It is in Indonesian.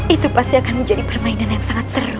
itu pasti akan menjadi permainan yang sangat seru